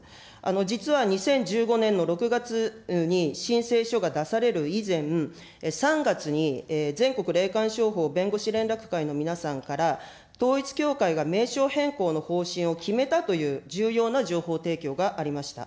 実は２０１５年の６月に申請書が出される以前、３月に全国霊感商法弁護士連絡会の皆さんから、統一教会が名称変更の方針を決めたという重要な情報提供がありました。